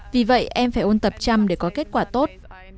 vì vậy em phải ôn tập trăm để có kết quả tốt